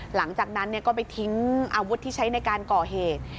หลังจากนั้นก็ไปทิ้งอาวุธที่ใช้ในการก่อเหตุ